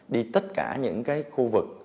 đi tất cả những cái khu vực